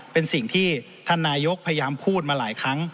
เป็นสิ่งที่ท่านนายกพยายามพูดมาหลายครั้ง